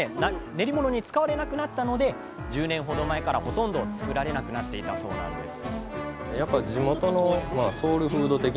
練り物に使われなくなったので１０年ほど前からほとんど作られなくなっていたそうなんです